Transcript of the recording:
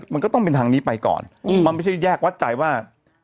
มันก็ต้องเป็นทางนี้ไปก่อนมันไม่ใช่แยกวัดใจว่า